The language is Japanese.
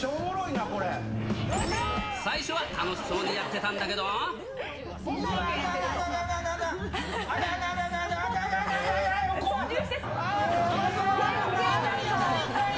最初は楽しそうにやってたんあかん、あかん、あかん！